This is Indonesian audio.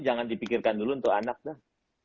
jangan dipikirkan dulu untuk anak dah